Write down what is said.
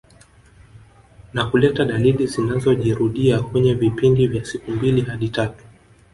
Na kuleta dalili zinazojirudia kwenye vipindi vya siku mbili hadi tatu